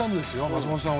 松本さん